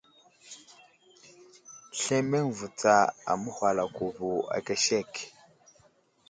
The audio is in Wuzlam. Slemeŋ vo tsa aməhwalako vo aka sek.